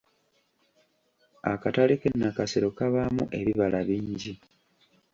Akatale k’e Nakasero kabaamu ebibala bingi.